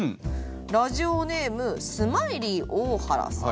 ラジオネームスマイリー大原さん。